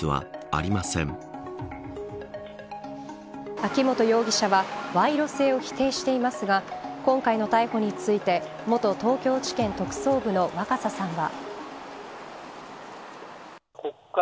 秋本容疑者は賄賂性を否定していますが今回の逮捕について元東京地検特捜部の若狭さんは。